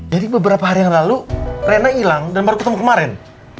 jadi beberapa hari yang lalu rena ilang dan baru ketemu kemarin